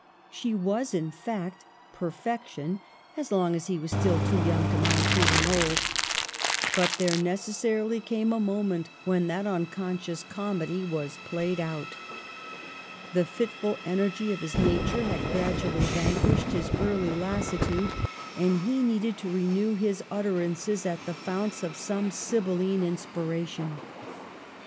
She was, in fact, perfection, as long as he was still too young to mind feeling old ; but there necessarily came a moment when that uncon scious comedy was played out The fitful energy of his nature had gradually vanquished his early lassitude, and he needed to renew his utterances at the founts of some Sybilline inspiration.